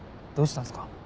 どうしたんすか？